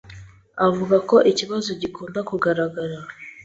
avuga ko ikibazo gikunda kugaragara